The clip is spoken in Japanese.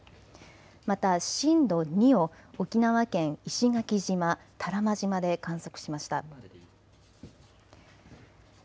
また震度２を沖縄県石垣島、多良間島で観測しました。